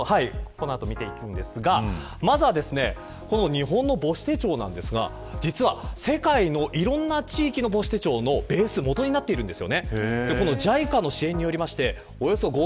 この後、見ていくんですがまずは日本の母子手帳なんですが実は、世界のいろんな地域の母子手帳のベースになっているんです。